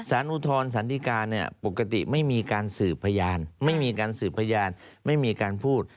อุทธรสันติการเนี่ยปกติไม่มีการสืบพยานไม่มีการสืบพยานไม่มีการพูด